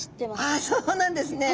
ああそうなんですね。